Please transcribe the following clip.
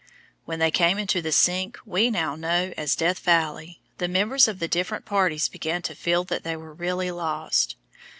When they came into the sink we now know as Death Valley, the members of the different parties began to feel that they were really lost.